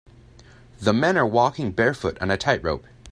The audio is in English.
The men are walking barefoot on a tightrope.